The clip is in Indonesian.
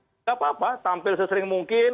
tidak apa apa tampil sesering mungkin